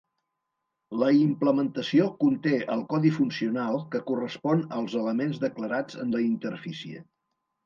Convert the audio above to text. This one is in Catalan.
La implementació conté el codi funcional que correspon als elements declarats en la interfície.